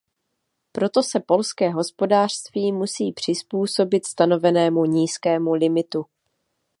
Proto se polské hospodářství musí přizpůsobit stanovenému nízkému limitu.